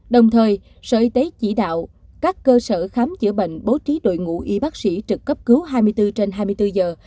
đồng thời sở y tế chỉ đạo các cơ sở khám chữa bệnh bố trí đội ngũ y bác sĩ trực cấp cứu hai mươi bốn trên hai mươi bốn giờ